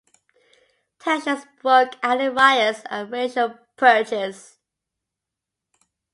Tensions broke out in riots and racial purges.